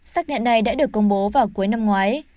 xác nhận này đã được công bố vào cuối năm ngoái